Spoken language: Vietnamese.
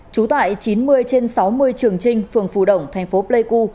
trú tại chín mươi trên sáu mươi trường trinh phường phù động thành phố pleiku